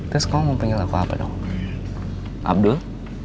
terus kamu mau panggil aku apa dong abdul